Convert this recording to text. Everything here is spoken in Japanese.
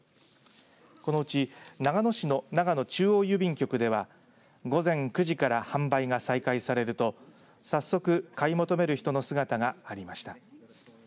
このうち長野市の長野中央郵便局では午前９時から販売が再開されると早速、買い求める人の姿がありました。